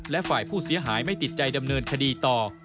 และฝ่ายผู้เสียหายไม่ติดใจดำเนินคดีต่อ